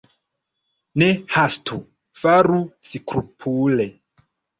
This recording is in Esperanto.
Ne hastu, faru skrupule.